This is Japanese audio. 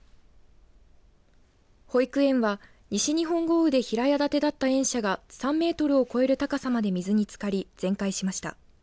保育園は西日本豪雨で平屋建てだった園舎が３メートルを超える高さまで水につかり全壊しました。